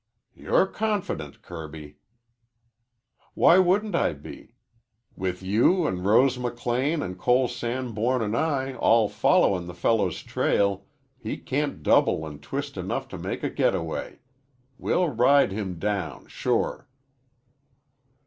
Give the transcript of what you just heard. "You're confident, Kirby." "Why wouldn't I be? With you an' Rose McLean an' Cole Sanborn an' I all followin' the fellow's trail, he can't double an' twist enough to make a getaway. We'll ride him down sure."